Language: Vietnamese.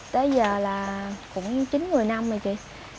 tới giờ là cũng chín một mươi năm rồi chị